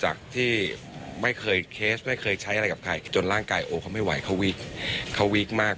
จากที่ไม่เคยเคสไม่เคยใช้อะไรกับใครจนร่างกายโอเขาไม่ไหวเขาวิกเขาวีคมาก